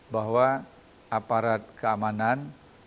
bahwa aparat keamanan